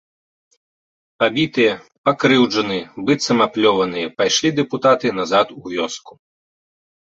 Пабітыя, пакрыўджаныя, быццам аплёваныя, пайшлі дэпутаты назад у вёску.